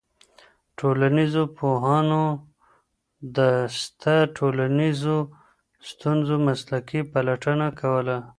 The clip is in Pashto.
ټولنيزو پوهانو د سته ټولنيزو ستونزو مسلکي پلټنه کوله.